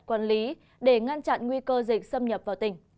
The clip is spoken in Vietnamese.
quản lý để ngăn chặn nguy cơ dịch xâm nhập vào tỉnh